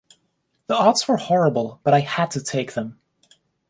The odds were horrible, but I had to take them.